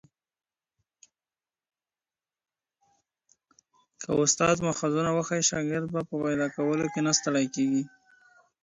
که استاد ماخذونه وښيي شاګرد به په پیدا کولو کي نه ستړی کیږي.